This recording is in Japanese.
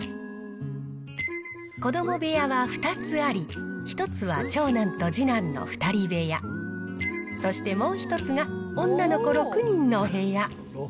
子ども部屋は２つあり、１つは長男と次男の２人部屋、そしてもう１つが女の子６人のお部屋。